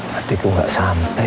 hati ku gak sampe